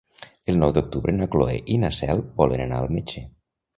El nou d'octubre na Cloè i na Cel volen anar al metge.